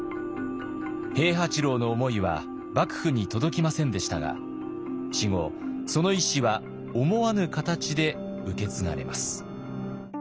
平八郎の思いは幕府に届きませんでしたが死後その遺志は思わぬ形で受け継がれます。